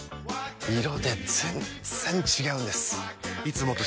色で全然違うんです！